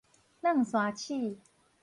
軁山鼠